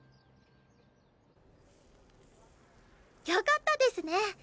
よかったですね。